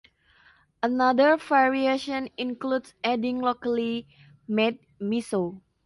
Another variation includes adding locally made miso.